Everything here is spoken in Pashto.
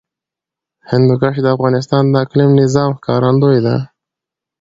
هندوکش د افغانستان د اقلیمي نظام ښکارندوی ده.